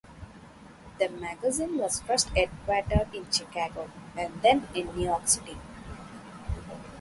The magazine was first headquartered in Chicago and then, in New York City.